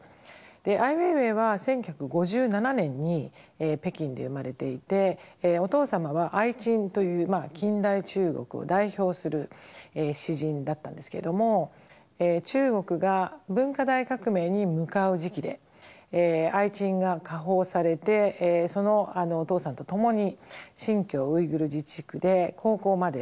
アイ・ウェイウェイは１９５７年に北京で生まれていてお父様はアイ・チンという近代中国を代表する詩人だったんですけれども中国が文化大革命に向かう時期でアイ・チンが下放されてそのお父さんと共に新疆ウイグル自治区で高校までを過ごします。